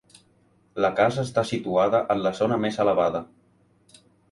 La casa està situada en la zona més elevada.